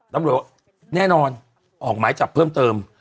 ตำรวจว่าแน่นอนออกหมายจับเพิ่มเติม